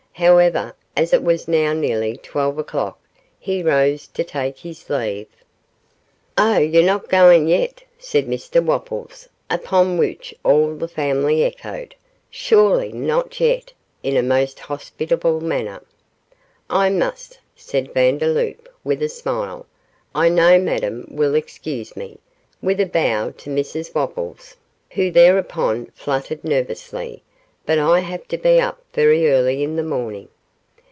However, as it was now nearly twelve o'clock, he rose to take his leave. 'Oh, you're not going yet,' said Mr Wopples, upon which all the family echoed, 'Surely, not yet,' in a most hospitable manner. 'I must,' said Vandeloup, with a smile. 'I know Madame will excuse me,' with a bow to Mrs Wopples, who thereupon fluttered nervously; 'but I have to be up very early in the morning.